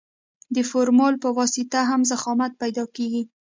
د فورمول په واسطه هم ضخامت پیدا کیږي